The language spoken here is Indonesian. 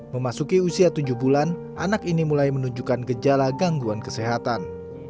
memasuki usia tujuh bulan anak ini mulai menunjukkan gejala gangguan kesehatan